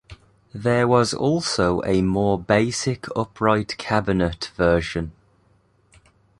There was also a more basic upright cabinet version.